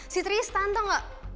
si tristan tau gak